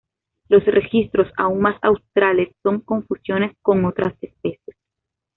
Los registros aún más australes son confusiones con otras especies.